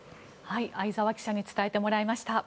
相沢記者に伝えてもらいました。